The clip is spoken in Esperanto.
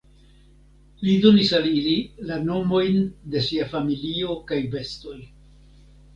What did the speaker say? Li donis al ili la nomojn de sia familio kaj bestoj.